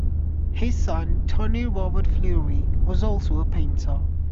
His son, Tony Robert-Fleury, was also a painter.